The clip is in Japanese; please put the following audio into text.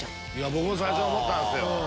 僕も最初思ったんすよ。